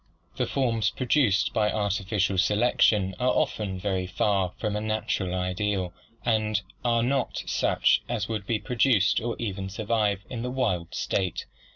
The forms produced by artificial selection are often very far from a natural ideal and are not such as would be produced or even survive in the wild state.